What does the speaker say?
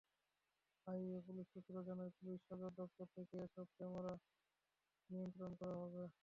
Highway police সূত্র জানায়, police সদর দপ্তর থেকে এসব ক্যামেরা নিয়ন্ত্রণ করা হবে।